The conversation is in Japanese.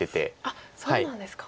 あっそうなんですか。